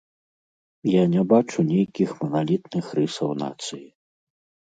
Я не бачу нейкіх маналітных рысаў нацыі.